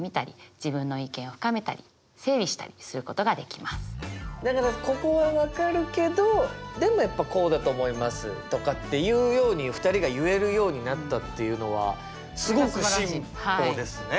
今回のようにだからここは分かるけどでもやっぱこうだと思いますとかっていうように２人が言えるようになったっていうのはすごく進歩ですね。